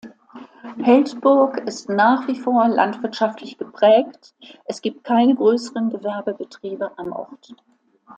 Heldburg ist nach wie vor landwirtschaftlich geprägt, es gibt keine größeren Gewerbebetriebe am Ort.